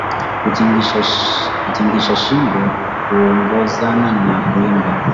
Kutingisha shingo huongozana na kuimba